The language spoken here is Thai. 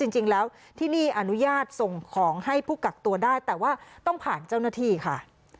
จริงแล้วที่นี่อนุญาตส่งของให้ผู้กักตัวได้แต่ว่าต้องผ่านเจ้าหน้าที่ค่ะ